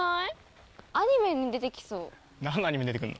何のアニメに出てくるの？